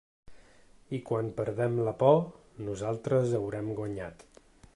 I quan perdem la por, nosaltres haurem guanyat.